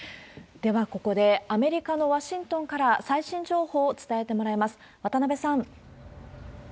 では、ここでアメリカのワシントンから最新情報を伝えてもらいます。